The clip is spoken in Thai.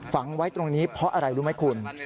ฝังไว้ตรงนี้เพราะอะไรรู้ไหมคุณ